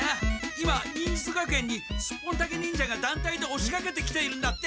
今忍術学園にスッポンタケ忍者がだんたいでおしかけてきているんだって！